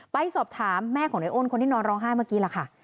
ไปสอบถามแม่ของในอ้นคนที่นอนร้องไห้เมื่อกี้ล่ะค่ะ